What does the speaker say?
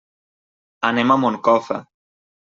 Anem a Moncofa.